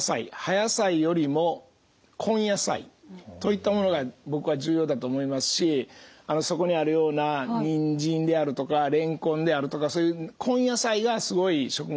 野菜よりも根野菜といったものが僕は重要だと思いますしそこにあるようなにんじんであるとかれんこんであるとか根野菜がすごい食物